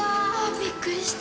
びっくりした。